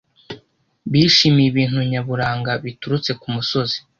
Bishimiye ibintu nyaburanga biturutse ku musozi.